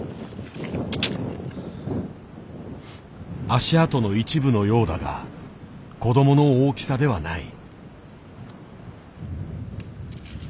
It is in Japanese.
足跡の一部のようだが子供の大きさではない。